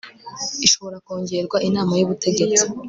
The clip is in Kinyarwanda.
ishobora kongerwa inama y ubutegetsi